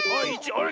あれ？